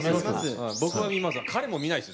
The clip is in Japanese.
僕は見ます。